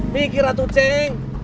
mikir tuh ceng